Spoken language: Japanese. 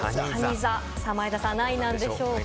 前田さんは何位なんでしょうか。